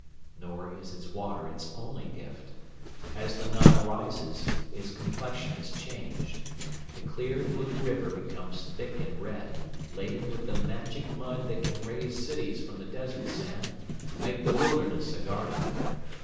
Nor is its water its only gift. As the Nile rises its complexion is changed. The clear blue river becomes thick and red, laden with the magic mud that can raise cities from the desert sand and make the wilderness a garden.